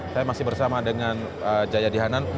saya masih bersama dengan jaya dihanan